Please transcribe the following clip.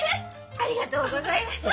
ありがとうございます。